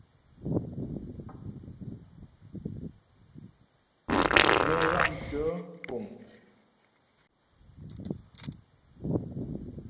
Nə́ ghámtə́ puŋ.